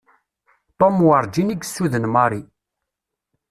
Tom werǧin i yessuden Mary.